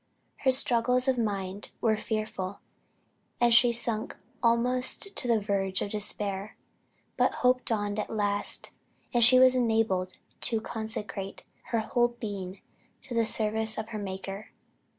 Her struggles of mind were fearful, and she sunk almost to the verge of despair; but hope dawned at last, and she was enabled to consecrate her whole being to the service of her Maker.